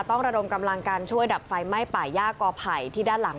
ระดมกำลังการช่วยดับไฟไหม้ป่าย่ากอไผ่ที่ด้านหลัง